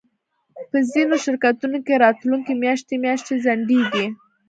په ځینو شرکتونو کې راتلونکی میاشتې میاشتې ځنډیږي